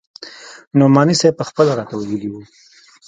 نعماني صاحب پخپله راته ويلي وو.